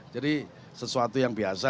jadi sesuatu yang biasa